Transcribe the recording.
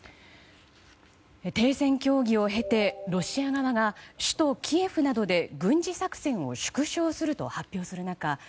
停戦協議を経てロシア側が首都キエフなどで軍事作戦を縮小すると発表する中